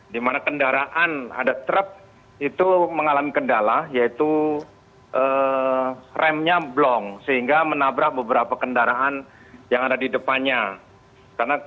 di mana kendaraan ada truk itu mengalami kendala yaitu remnya blong sehingga menabrak beberapa kendaraan yang ada di depannya